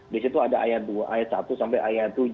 di situ ada ayat satu sampai ayat tujuh